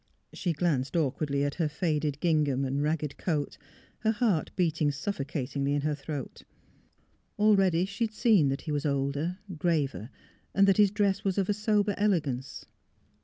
She glanced awkwardly at her faded gingham and ragged coat, her heart beating suffocatingly in her throat. Already she had seen that he was MILLY 361 older, graver, and that his dress was of a sober elegance.